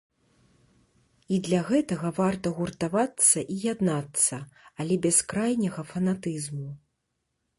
І для гэтага варта гуртавацца і яднацца, але без крайняга фанатызму.